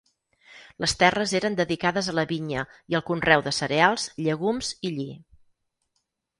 Les terres eren dedicades a la vinya i al conreu de cereals, llegums i lli.